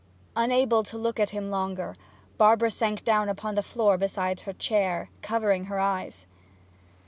Unable to look at him longer, Barbara sank down on the floor beside her chair, covering her eyes.